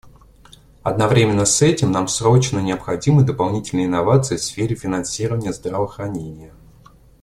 Одновременно с этим нам срочно необходимы дополнительные инновации в сфере финансирования здравоохранения.